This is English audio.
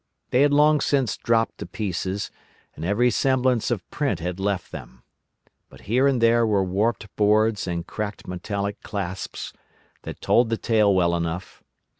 They had long since dropped to pieces, and every semblance of print had left them. But here and there were warped boards and cracked metallic clasps that told the tale well enough.